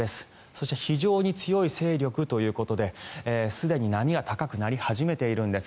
そして非常に強い勢力ということですでに波が高くなり始めているんです。